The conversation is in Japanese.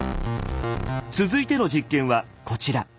続いての実験はこちら。